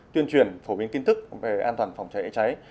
tuyên truyền phổ biến tin tức về an toàn phòng cháy cháy